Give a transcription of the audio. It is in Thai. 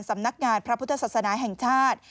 สำนักงานพระพุทธศาสนาแห่งชาติ